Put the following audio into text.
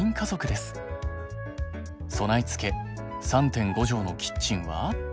備え付け３．５畳のキッチンは。